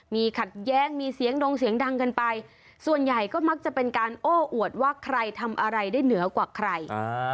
มีขัดแย้งมีเสียงดงเสียงดังกันไปส่วนใหญ่ก็มักจะเป็นการโอ้อวดว่าใครทำอะไรได้เหนือกว่าใคร